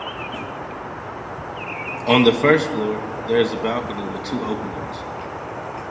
On the first floor, there is a balcony with two openings.